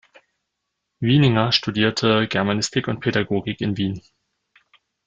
Wieninger studierte Germanistik und Pädagogik in Wien.